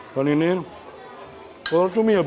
dan ini telur cumi ya bu